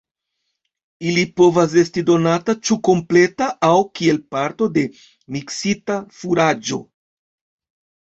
Ili povas esti donata ĉu kompleta aŭ kiel parto de miksita furaĝo.